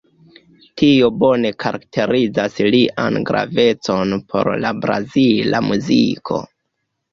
Tio bone karakterizas lian gravecon por la brazila muziko.